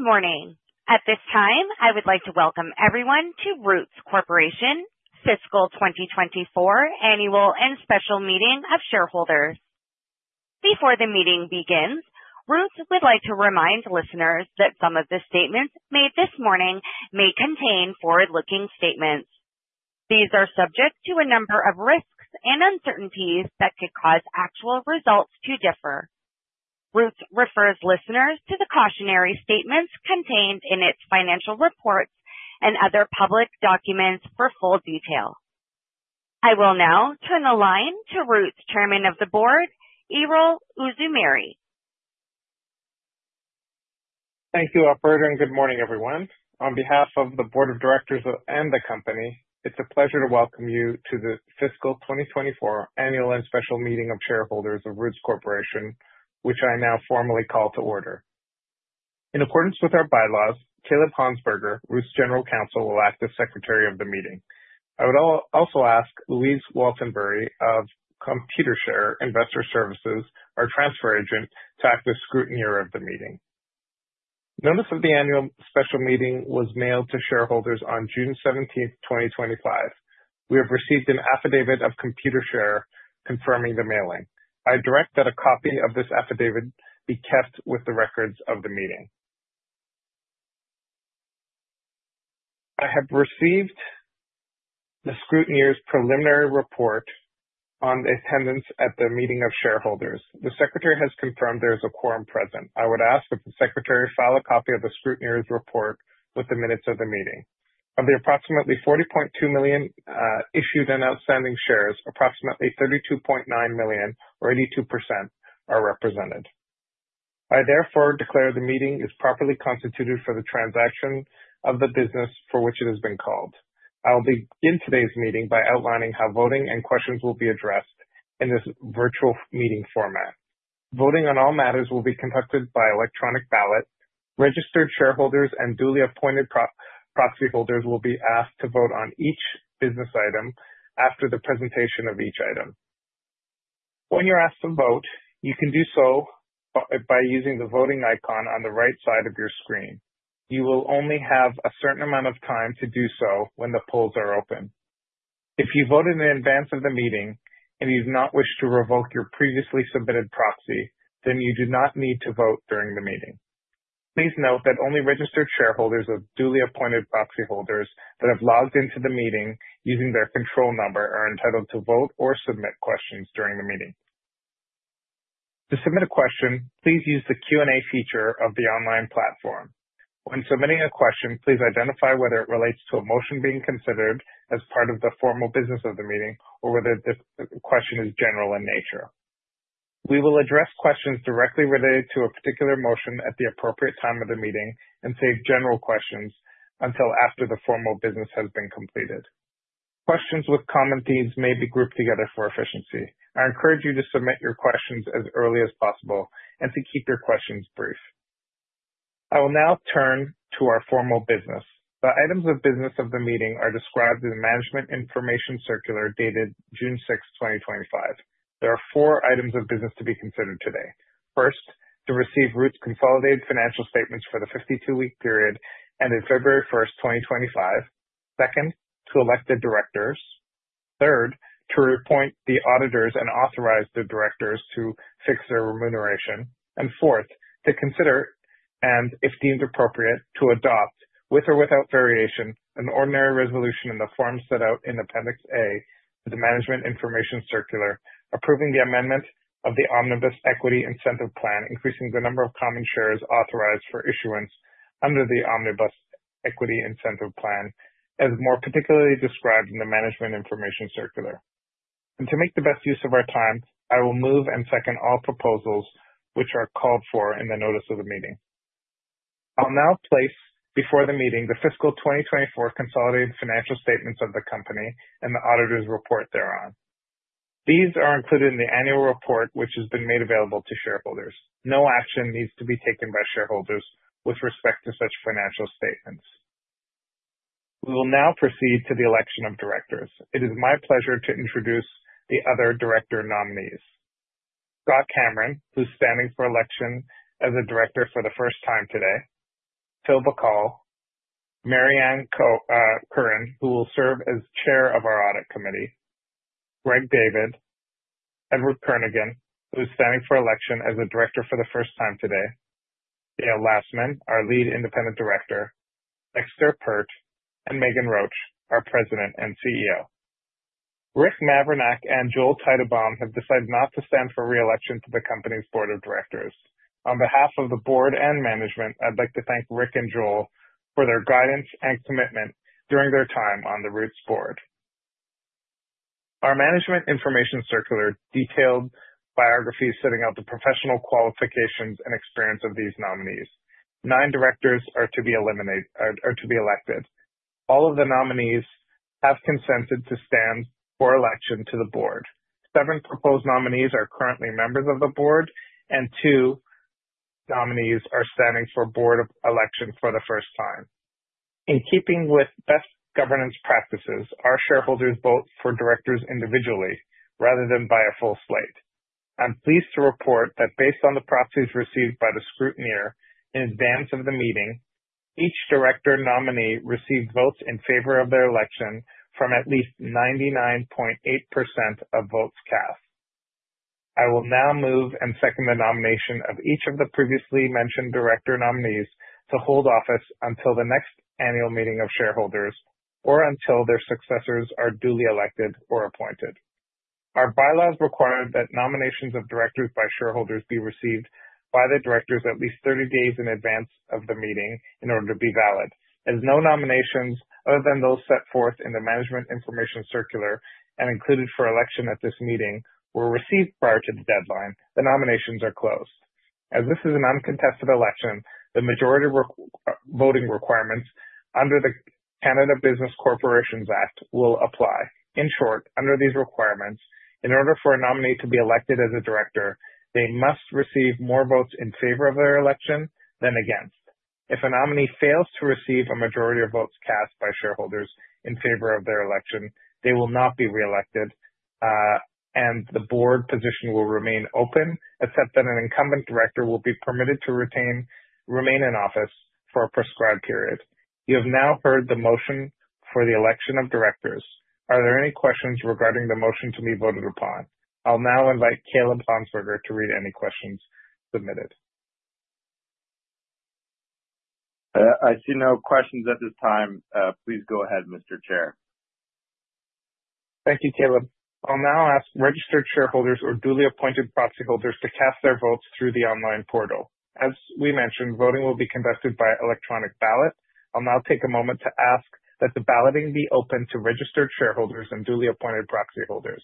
Good morning. At this time, I would like to welcome everyone to Roots Corporation Fiscal 2024 Annual and Special Meeting of Shareholders. Before the meeting begins, Roots would like to remind listeners that some of the statements made this morning may contain forward-looking statements. These are subject to a number of risks and uncertainties that could cause actual results to differ. Roots refers listeners to the cautionary statements contained in its financial reports and other public documents for full detail. I will now turn the line to Roots Chairman of the Board, Erol Uzumeri. Thank you, operator. Good morning, everyone. On behalf of the board of directors and the company, it's a pleasure to welcome you to the Fiscal 2024 Annual and Special Meeting of Shareholders of Roots Corporation, which I now formally call to order. In accordance with our bylaws, Kaleb Honsberger, Roots General Counsel, will act as Secretary of the meeting. I would also ask Louise Waltenbury of Computershare Investor Services, our transfer agent, to act as scrutineer of the meeting. Notice of the annual special meeting was mailed to shareholders on June 17th, 2025. We have received an affidavit of Computershare confirming the mailing. I direct that a copy of this affidavit be kept with the records of the meeting. I have received the scrutineer's preliminary report on attendance at the meeting of shareholders. The Secretary has confirmed there is a quorum present. I would ask that the Secretary file a copy of the scrutineer's report with the minutes of the meeting. Of the approximately $40.2 million issued and outstanding shares, approximately $32.9 million or 82% are represented. I therefore declare the meeting is properly constituted for the transaction of the business for which it has been called. I'll begin today's meeting by outlining how voting and questions will be addressed in this virtual meeting format. Voting on all matters will be conducted by electronic ballot. Registered shareholders and duly appointed proxy holders will be asked to vote on each business item after the presentation of each item. When you're asked to vote, you can do so by using the voting icon on the right side of your screen. You will only have a certain amount of time to do so when the polls are open. If you vote in advance of the meeting and you do not wish to revoke your previously submitted proxy, you do not need to vote during the meeting. Please note that only registered shareholders of duly appointed proxy holders that have logged into the meeting using their control number are entitled to vote or submit questions during the meeting. To submit a question, please use the Q&A feature of the online platform. When submitting a question, please identify whether it relates to a motion being considered as part of the formal business of the meeting, or whether the question is general in nature. We will address questions directly related to a particular motion at the appropriate time of the meeting and save general questions until after the formal business has been completed. Questions with common themes may be grouped together for efficiency. I encourage you to submit your questions as early as possible and to keep your questions brief. I will now turn to our formal business. The items of business of the meeting are described in the Management Information Circular dated June sixth, 2025. There are four items of business to be considered today. First, to receive Roots consolidated financial statements for the 52-week period ended February first, 2025. Second, to elect the directors. Third, to reappoint the auditors and authorize the directors to fix their remuneration. Fourth, to consider and if deemed appropriate, to adopt, with or without variation, an ordinary resolution in the form set out in Appendix A of the Management Information Circular, approving the amendment of the Omnibus Equity Incentive Plan, increasing the number of common shares authorized for issuance under the Omnibus Equity Incentive Plan, as more particularly described in the Management Information Circular. To make the best use of our time, I will move and second all proposals which are called for in the notice of the meeting. I'll now place before the meeting the fiscal 2024 consolidated financial statements of the company and the auditor's report thereon. These are included in the annual report, which has been made available to shareholders. No action needs to be taken by shareholders with respect to such financial statements. We will now proceed to the election of directors. It is my pleasure to introduce the other director nominees. Scott Cameron, who's standing for election as a director for the first time today. Phil Bacal. Mary Ann Curran, who will serve as chair of our Audit Committee. Gregory David. Edward Kernaghan, who is standing for election as a director for the first time today. Dale Lastman, our Lead Independent Director. Dexter Peart, and Meghan Roach, our President and CEO. Richard Mavrinac and Joel Teitelbaum have decided not to stand for re-election to the company's board of directors. On behalf of the board and management, I'd like to thank Rick and Joel for their guidance and commitment during their time on the Roots board. Our Management Information Circular detailed biographies setting out the professional qualifications and experience of these nominees. Nine directors are to be elected. All of the nominees have consented to stand for election to the board. Seven proposed nominees are currently members of the board, and two nominees are standing for board election for the first time. In keeping with best governance practices, our shareholders vote for directors individually rather than by a full slate. I'm pleased to report that based on the proxies received by the scrutineer in advance of the meeting, each director nominee received votes in favor of their election from at least 99.8% of votes cast. I will now move and second the nomination of each of the previously mentioned director nominees to hold office until the next annual meeting of shareholders or until their successors are duly elected or appointed. Our bylaws require that nominations of directors by shareholders be received by the directors at least 30 days in advance of the meeting in order to be valid. As no nominations other than those set forth in the Management Information Circular and included for election at this meeting were received prior to the deadline, the nominations are closed. As this is an uncontested election, the majority voting requirements under the Canada Business Corporations Act will apply. In short, under these requirements, in order for a nominee to be elected as a director, they must receive more votes in favor of their election than against. If a nominee fails to receive a majority of votes cast by shareholders in favor of their election, they will not be reelected, and the board position will remain open. An incumbent director will be permitted to remain in office for a prescribed period. You have now heard the motion for the election of directors. Are there any questions regarding the motion to be voted upon? I'll now invite Kaleb Honsberger to read any questions submitted. I see no questions at this time. Please go ahead, Mr. Chair. Thank you, Kaleb. I'll now ask registered shareholders or duly appointed proxy holders to cast their votes through the online portal. As we mentioned, voting will be conducted by electronic ballot. I'll now take a moment to ask that the balloting be open to registered shareholders and duly appointed proxy holders.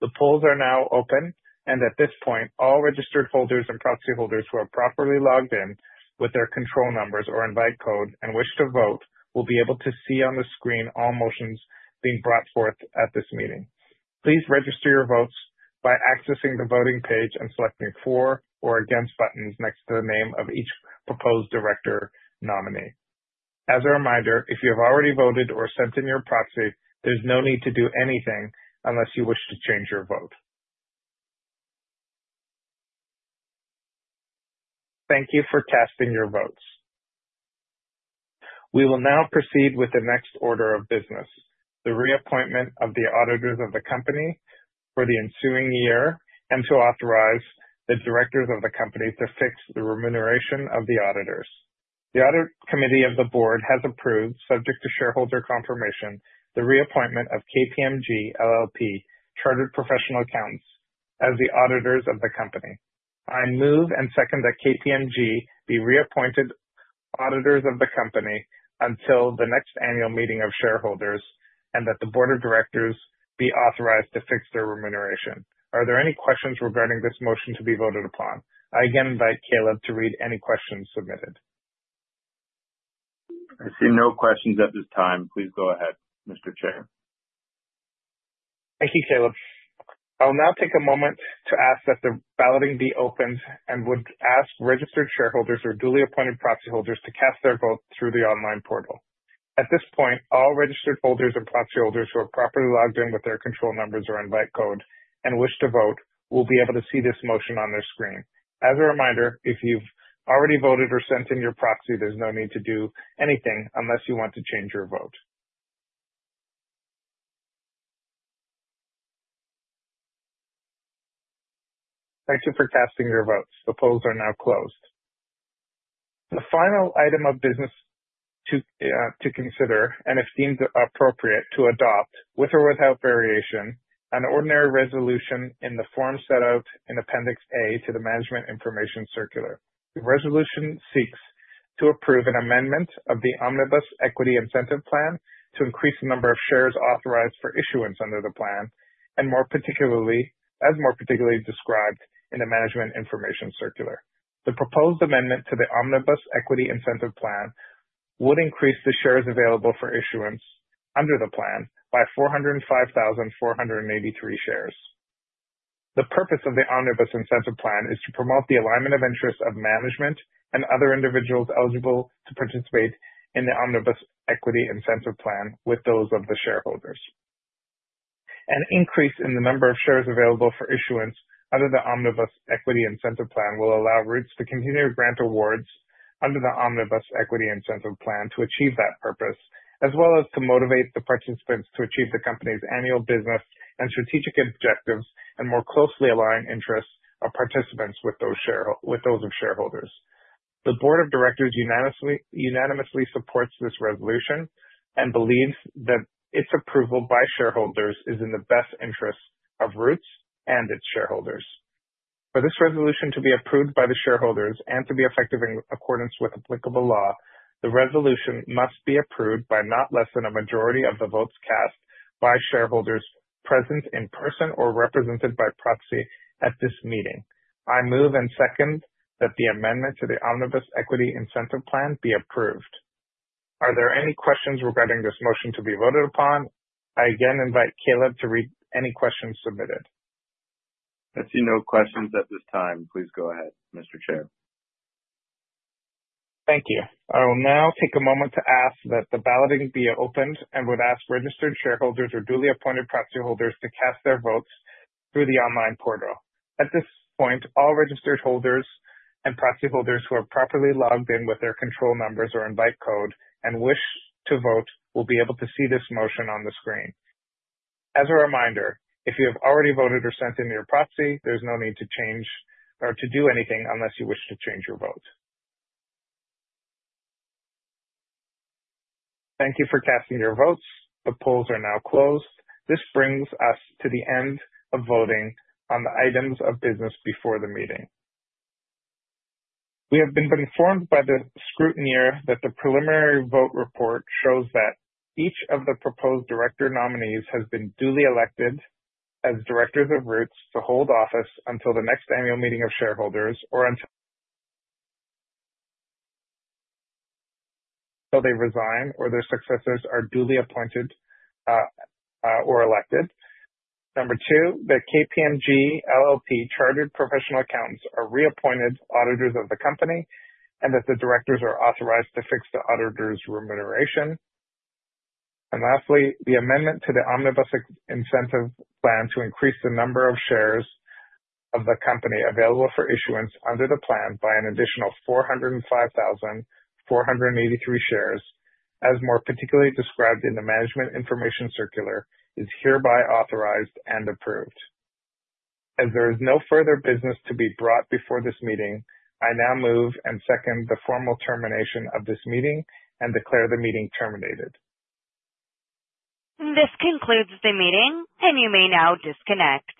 The polls are now open. At this point, all registered holders and proxy holders who are properly logged in with their control numbers or invite code and wish to vote will be able to see on the screen all motions being brought forth at this meeting. Please register your votes by accessing the voting page and selecting for or against buttons next to the name of each proposed director nominee. As a reminder, if you have already voted or sent in your proxy, there's no need to do anything unless you wish to change your vote. Thank you for casting your votes. We will now proceed with the next order of business, the reappointment of the auditors of the company for the ensuing year, and to authorize the directors of the company to fix the remuneration of the auditors. The Audit Committee of the board has approved, subject to shareholder confirmation, the reappointment of KPMG LLP chartered professional accountants as the auditors of the company. I move and second that KPMG be reappointed auditors of the company until the next annual meeting of shareholders, and that the board of directors be authorized to fix their remuneration. Are there any questions regarding this motion to be voted upon? I again invite Kaleb to read any questions submitted. I see no questions at this time. Please go ahead, Mr. Chair. Thank you, Kaleb. I'll now take a moment to ask that the balloting be opened and would ask registered shareholders or duly appointed proxy holders to cast their vote through the online portal. At this point, all registered holders and proxy holders who are properly logged in with their control numbers or invite code and wish to vote will be able to see this motion on their screen. As a reminder, if you've already voted or sent in your proxy, there's no need to do anything unless you want to change your vote. Thank you for casting your votes. The polls are now closed. The final item of business to consider, and it seems appropriate to adopt, with or without variation, an ordinary resolution in the form set out in Appendix A to the Management Information Circular. The resolution seeks to approve an amendment of the Omnibus Equity Incentive Plan to increase the number of shares authorized for issuance under the plan, and more particularly, as more particularly described in the Management Information Circular. The proposed amendment to the Omnibus Equity Incentive Plan would increase the shares available for issuance under the plan by 405,483 shares. The purpose of the Omnibus Incentive Plan is to promote the alignment of interests of management and other individuals eligible to participate in the Omnibus Equity Incentive Plan with those of the shareholders. An increase in the number of shares available for issuance under the Omnibus Equity Incentive Plan will allow Roots to continue to grant awards under the Omnibus Equity Incentive Plan to achieve that purpose, as well as to motivate the participants to achieve the company's annual business and strategic objectives and more closely align interests of participants with those of shareholders. The board of directors unanimously supports this resolution and believes that its approval by shareholders is in the best interest of Roots and its shareholders. For this resolution to be approved by the shareholders and to be effective in accordance with applicable law, the resolution must be approved by not less than a majority of the votes cast by shareholders present in person or represented by proxy at this meeting. I move and second that the amendment to the Omnibus Equity Incentive Plan be approved. Are there any questions regarding this motion to be voted upon? I again invite Kaleb to read any questions submitted. I see no questions at this time. Please go ahead, Mr. Chair. Thank you. I will now take a moment to ask that the balloting be opened and would ask registered shareholders or duly appointed proxy holders to cast their votes through the online portal. At this point, all registered holders and proxy holders who are properly logged in with their control numbers or invite code and wish to vote will be able to see this motion on the screen. As a reminder, if you have already voted or sent in your proxy, there's no need to change or to do anything unless you wish to change your vote. Thank you for casting your votes. The polls are now closed. This brings us to the end of voting on the items of business before the meeting. We have been informed by the scrutineer that the preliminary vote report shows that each of the proposed director nominees has been duly elected as directors of Roots to hold office until the next annual meeting of shareholders or until they resign or their successors are duly appointed or elected. Number two, the KPMG LLP chartered professional accounts are reappointed auditors of the company, and that the directors are authorized to fix the auditor's remuneration. Lastly, the amendment to the Omnibus Incentive Plan to increase the number of shares of the company available for issuance under the plan by an additional 405,483 shares, as more particularly described in the Management Information Circular, is hereby authorized and approved. There is no further business to be brought before this meeting. I now move and second the formal termination of this meeting and declare the meeting terminated. This concludes the meeting and you may now disconnect.